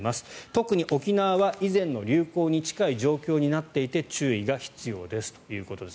特に沖縄は以前の流行に近い状況になっていて注意が必要ですということです。